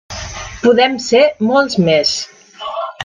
Podem ser molts més!